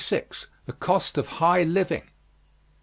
THE COST OF HIGH LIVING.